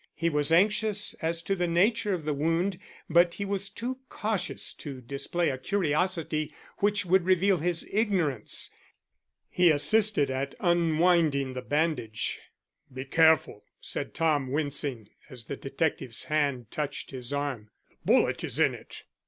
He was anxious as to the nature of the wound, but he was too cautious to display a curiosity which would reveal his ignorance. He assisted at unwinding the bandage. "Be careful," said Tom wincing, as the detective's hand touched his arm. "The bullet is in it."